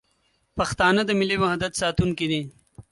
پښتانه د ملي وحدت ساتونکي دي.